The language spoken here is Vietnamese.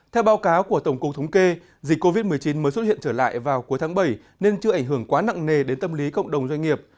theo báo cáo của tổng cục thống kê dịch covid một mươi chín mới xuất hiện trở lại vào cuối tháng bảy nên chưa ảnh hưởng quá nặng nề đến tâm lý cộng đồng doanh nghiệp